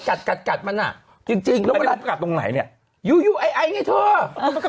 กัดกัดกัดมันอ่ะจริงจริงตรงไหนเนี้ยอยู่อยู่ไอไอไงเถอะเขา